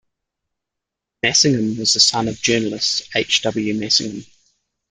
Massingham was the son of the journalist H. W. Massingham.